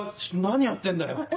何やってんだよ？